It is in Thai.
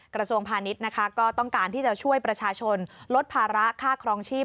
กระทรวงพาณิชย์นะคะก็ต้องการที่จะช่วยประชาชนลดภาระค่าครองชีพ